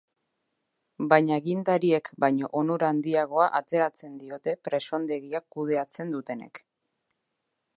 Baina agintariek baino onura handiagoa ateratzen diote presondegia kudeatzen dutenek.